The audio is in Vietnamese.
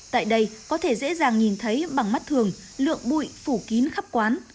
tại đây có thể dễ dàng nhìn thấy bằng mắt thường lượng bụi phủ kín khắp quán